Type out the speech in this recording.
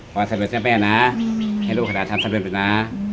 ความสำเร็จเจ้าแม่นะให้ลูกขนาดทำสำเร็จดีดีนะ